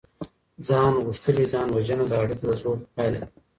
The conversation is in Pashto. ځان غوښتلې ځان وژنه د اړيکو د ضعف پايله ده.